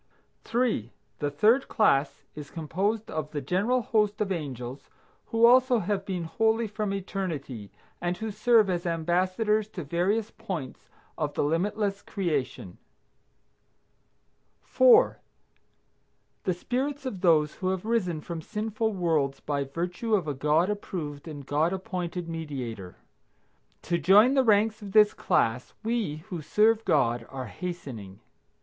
3. The third class is composed of the general host of angels who also have been holy from eternity, and who serve as ambassadors to various points of the limitless creation. 4. The spirits of those who have risen from sinful worlds by virtue of a God approved and God appointed Mediator. To join the ranks of this class we, who serve God, are hastening.